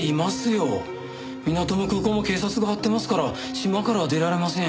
港も空港も警察が張ってますから島からは出られません。